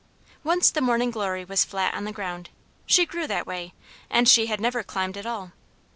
] Once the Morning Glory was flat on the ground. She grew that way, and she had never climbed at all.